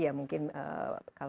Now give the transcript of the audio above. ya mungkin kalau ditakdirkan